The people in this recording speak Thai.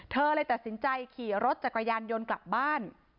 เลยตัดสินใจขี่รถจักรยานยนต์กลับบ้าน